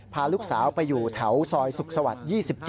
พาลูกสาวไปอยู่แถวซอยสุขสวรรค์๒๗